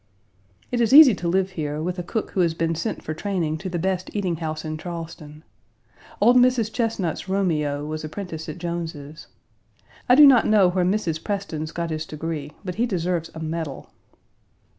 It is easy to live here, with a cook who has been sent for training to the best eating house in Charleston. Old Mrs. Chesnut's Romeo was apprenticed at Jones's. I do not know where Mrs. Preston's got his degree, but he deserves a medal.